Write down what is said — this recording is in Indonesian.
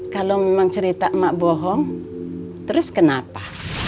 kalau memang cerita emak bohong terus kenapa